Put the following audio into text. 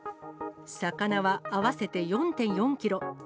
魚は合わせて４．４キロ。